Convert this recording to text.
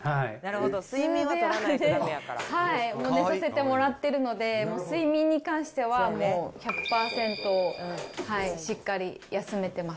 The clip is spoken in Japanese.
もう寝させてもらってるので、もう睡眠に関しては、もう１００％しっかり休めてます。